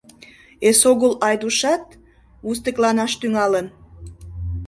Эсогыл Айдушат вустыкланаш тӱҥалын.